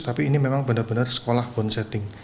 tapi ini memang benar benar sekolah bondsetting